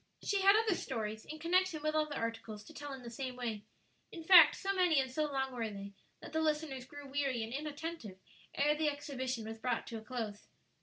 She had other stories, in connection with other articles, to tell in the same way. In fact, so many and so long were they, that the listeners grew weary and inattentive ere the exhibition was brought to a close.